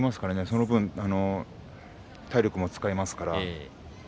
その分、体力も使いますから。